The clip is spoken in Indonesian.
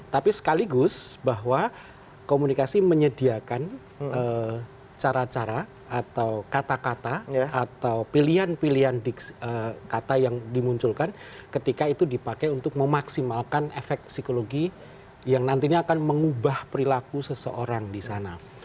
tapi sekaligus bahwa komunikasi menyediakan cara cara atau kata kata atau pilihan pilihan kata yang dimunculkan ketika itu dipakai untuk memaksimalkan efek psikologi yang nantinya akan mengubah perilaku seseorang di sana